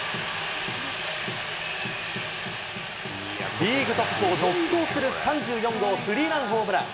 リーグトップを独走する、３４号スリーランホームラン。